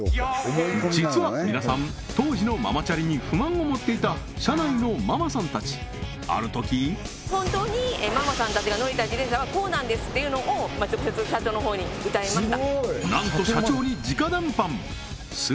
実は皆さん当時のママチャリに不満を持っていた社内のママさんたちあるとき・本当にママさんたちが乗りたい自転車はこうなんですっていうのを直接社長のほうに訴えました